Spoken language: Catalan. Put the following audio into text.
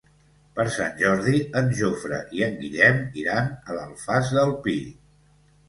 Per Sant Jordi en Jofre i en Guillem iran a l'Alfàs del Pi.